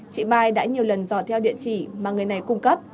chị mai đã nhiều lần dọ theo địa chỉ mà người này cung cấp